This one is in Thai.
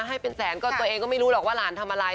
หมดตัวเองก็ไม่รู้หรอกว่าร้านทำอะไร